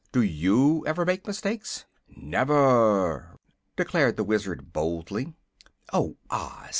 Do you ever make mistakes?" "Never!" declared the Wizard, boldly. "Oh, Oz!"